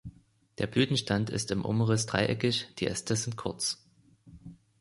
Der Blütenstand ist im Umriss dreieckig, die Äste sind kurz.